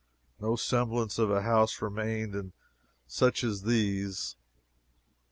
No semblance of a house remains in such as these.